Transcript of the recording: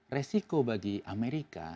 resiko bagi amerika